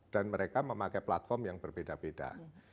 dan mereka memakai platform yang berbeda beda